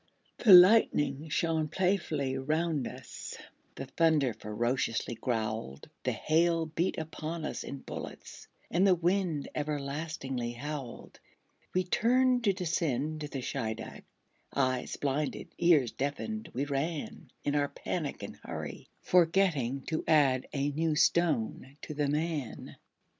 The lightning shone playfully round us; The thunder ferociously growled; The hail beat upon us in bullets; And the wind everlastingly howled. We turned to descend to the Scheideck, Eyes blinded, ears deafened, we ran, In our panic and hurry, forgetting To add a new stone to the man.